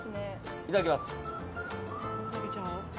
いただきます。